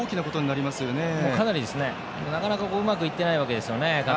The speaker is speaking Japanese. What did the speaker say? なかなかカタールはうまくいっていないわけですね。